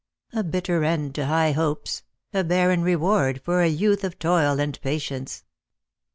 A bitter end to high hopes — a barren reward for a youth of toil and patience."